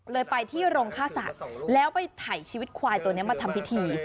ไปที่โรงฆ่าสัตว์แล้วไปถ่ายชีวิตควายตัวนี้มาทำพิธี